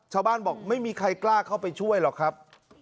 บอกไม่มีใครกล้าเข้าไปช่วยหรอกครับ